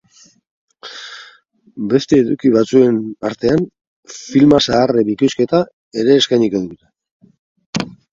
Beste eduki batzuren artean, filma zaharre bikoizketa ere eskainiko dute.